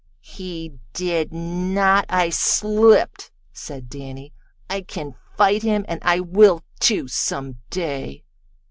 "He did not I slipped," said Danny. "I can fight him, and I will, too, some day."